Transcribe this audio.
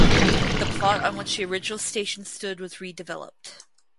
The plot on which the original station stood was redeveloped.